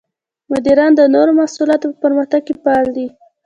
مدیران د نوو محصولاتو په پرمختګ کې فعال دي.